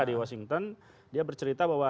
di washington dia bercerita bahwa